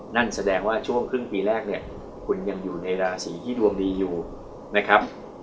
นั่นแสดงว่าช่วงครึ่งปีแรกเนี่ยคุณยังอยู่ในราศีที่ดวงดีอยู่นะครับ